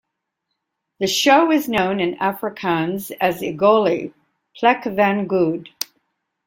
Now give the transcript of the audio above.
The show is known in Afrikaans as Egoli: Plek van Goud.